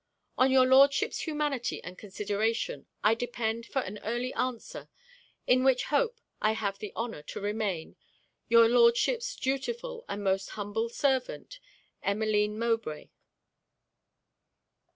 'On your Lordship's humanity and consideration I depend for an early answer: in which hope I have the honor to remain, your Lordship's dutiful and most humble servant, EMMELINE MOWBRAY.'